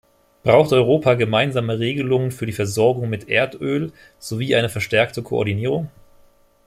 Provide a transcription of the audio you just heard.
Braucht Europa gemeinsame Regelungen für die Versorgung mit Erdöl sowie eine verstärkte Koordinierung?